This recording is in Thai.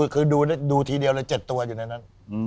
คือดูทีเดียวเลย๗ตัวอยู่ในนั้น